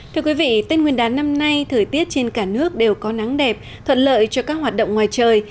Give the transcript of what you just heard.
tên nguyên đán năm nay thời tiết trên cả nước đều có nắng đẹp thuận lợi cho các hoạt động ngoài trời